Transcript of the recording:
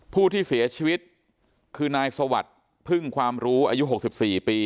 ผู้ที่เสียชีวิตคือนายสวัสดิ์พึ่งความรู้อายุ๖๔ปี